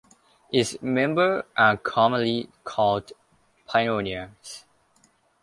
Its members are commonly called Pioneers.